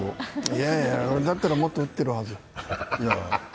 いやいや、だったらもっと打ってるはず。